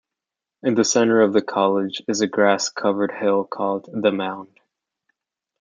In the centre of the college is a grass-covered hill, called The Mound.